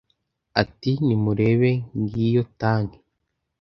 Ati: "Nimurebe ngiyo tanki,